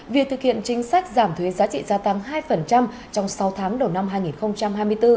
việc thực hiện chính sách giảm thuế giá trị gia tăng hai trong sáu tháng đầu năm hai nghìn hai mươi bốn